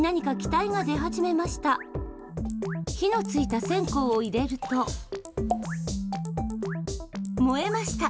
火のついた線香を入れると燃えました！